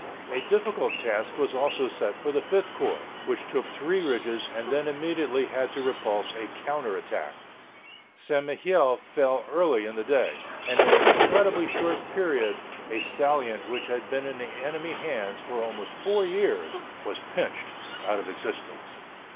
A difficult task was also set for the Fifth Corps, which took three ridges and then immediately had to repulse a counter attack. St. Mihiel fell early in the day. And in an incredibly short period a salient which had been in the enemy hands for almost four years was pinched out of existence.